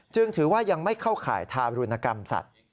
ถือว่ายังไม่เข้าข่ายทารุณกรรมสัตว์